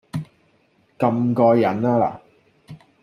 咁過癮吖嗱